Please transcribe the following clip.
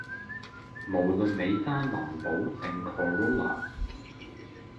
無論你揸林寶定 corolla